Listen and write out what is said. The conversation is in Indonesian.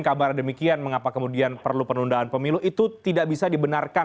kabar demikian mengapa kemudian perlu penundaan pemilu itu tidak bisa dibenarkan